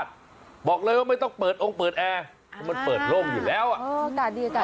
ทำไมต้องสกัดเย็น